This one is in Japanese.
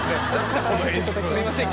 すいません